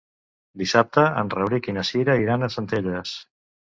Dissabte en Rauric i na Cira iran a Centelles.